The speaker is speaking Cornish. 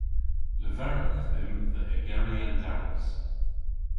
Leverewgh dhymm dhe ygeri an daras.